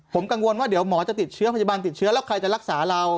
ผมกังวลว่าเดี๋ยวหมอจะติดเชื้อพยาบาลติดเชื้อแล้วใครจะรักษาเรา